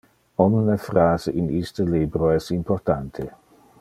Omne phrase in iste libro es importante.